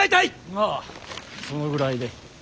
まあそのぐらいで。